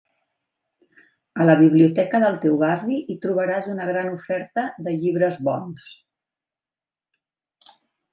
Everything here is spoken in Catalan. A la biblioteca del teu barri hi trobaràs una gran oferta de llibres bons.